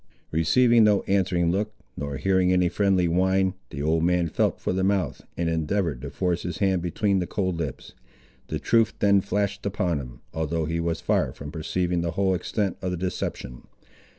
Receiving no answering look, nor hearing any friendly whine, the old man felt for the mouth and endeavoured to force his hand between the cold lips. The truth then flashed upon him, although he was far from perceiving the whole extent of the deception.